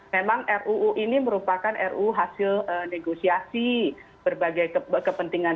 memang ruu ini merupakan ruu hasil negosiasi berbagai kepentingan